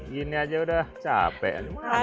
ini aja udah capek